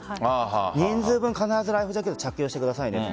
人数分、必ずライフジャケットを着用してくださいねと。